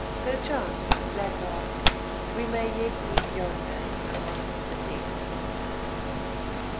Perchance, Black Heart, we may yet meet yonder—in the House of the Dead."